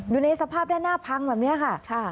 อยู่ในสภาพด้านหน้าพังแบบนี้ค่ะ